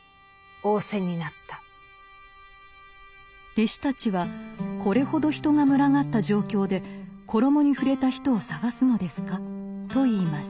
弟子たちは「これほど人が群がった状況で衣に触れた人を探すのですか？」と言います。